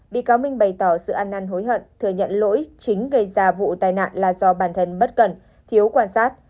bị cáo minh bày tỏ sự ăn năn hối hận thừa nhận lỗi chính gây ra vụ tai nạn là do bản thân bất cần thiếu quan sát